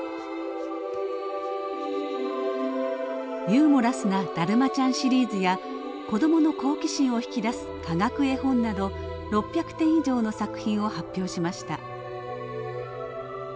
ユーモラスな「だるまちゃん」シリーズや子どもの好奇心を引き出す科学絵本など６００点以上の作品を発表しました。